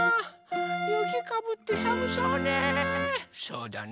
ゆきかぶってさむそうね。